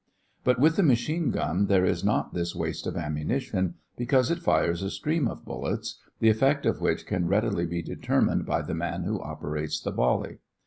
But with the machine gun there is not this waste of ammunition, because it fires a stream of bullets, the effect of which can readily be determined by the man who operates the volley.